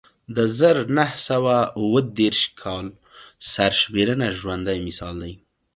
د زر نه سوه اووه دېرش کال سرشمېرنه ژوندی مثال دی